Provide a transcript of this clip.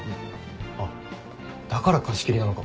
あっだから貸し切りなのか。